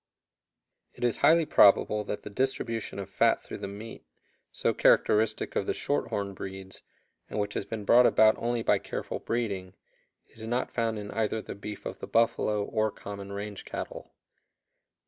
It is highly probable that the distribution of fat through the meat, so characteristic of the shorthorn breeds, and which has been brought about only by careful breeding, is not found in either the beef of the buffalo or common range cattle.